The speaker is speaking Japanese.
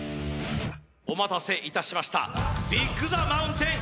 お待たせいたしましたビッグ・ザ・マウンテン！